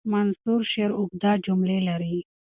منثور شعر اوږده جملې لري.